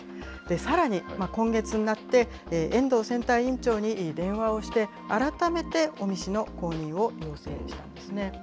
さらに今月になって、遠藤選対委員長に電話をして、改めて尾身氏の公認を要請したんですね。